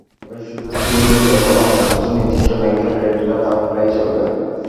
তবে সুযোগটি নিতে হলে আপনার কাছে নির্দিষ্ট ব্যাংকের ক্রেডিট কার্ড থাকলেই চলবে।